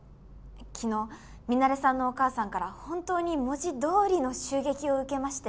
昨日ミナレさんのお母さんから本当に文字どおりの襲撃を受けまして。